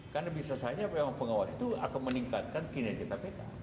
karena bisa saja memang pengawas itu akan meningkatkan kinerja kpk